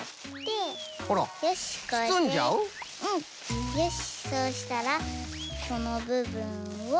よしそうしたらこのぶぶんを。